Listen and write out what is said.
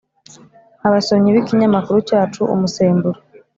abasomyi b’ikinyamakuru cyacu umusemburo